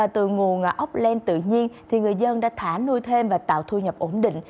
từ nguồn ốc len tự nhiên người dân đã thả nuôi thêm và tạo thu nhập ổn định